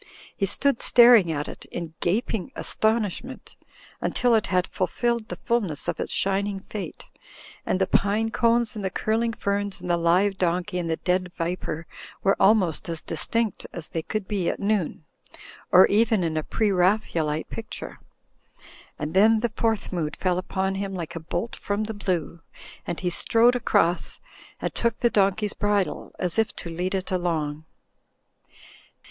He stood staring at it in gaping astonish ment, until it had fulfilled the fulness of its shining fate; and the pine cones and the curiing ferns and the live donkey and the dead viper were almost as distinct as they could be at noon, or in a Preraphaelite pic ture. And then the Fourth Mood fell upon him like a bolt from the blue, and he strode across and took the donkey's bridle, as if to lead it along.